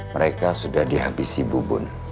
mereka sudah dihabisi bubun